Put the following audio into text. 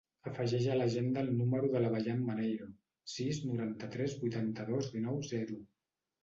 Afegeix a l'agenda el número de la Bayan Maneiro: sis, noranta-tres, vuitanta-dos, dinou, zero.